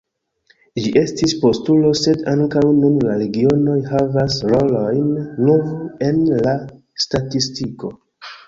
Ĝi estis postulo, sed ankaŭ nun la regionoj havas rolojn nur en la statistiko.